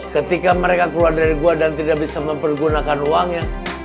ketika mereka keluar dari gua dan tidak bisa mempergunakan uangnya